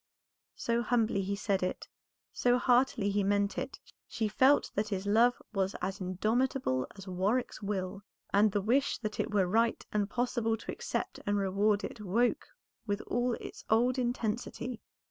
So humbly he said it, so heartily he meant it, she felt that his love was as indomitable as Warwick's will, and the wish that it were right and possible to accept and reward it woke with all its old intensity.